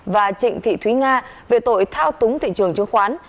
và trịnh thị thúy nga về tội thao túng thị trường chứng khoán